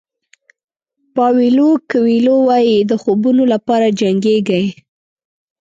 پاویلو کویلو وایي د خوبونو لپاره جنګېږئ.